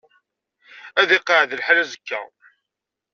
Ad iqeεεed lḥal azekka?